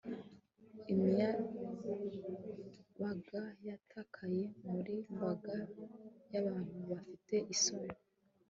Imiyabaga yatakaye muriyi mbaga yabantu bafite isoni